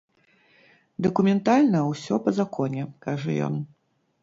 Дакументальна ўсё па законе, кажа ён.